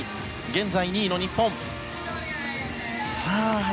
現在２位の日本。